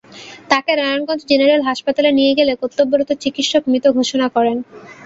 তাকে নারায়ণগঞ্জ জেনারেল হাসপাতালে নিয়ে গেলে কর্তব্যরত চিকিৎসক মৃত ঘোষণা করেন।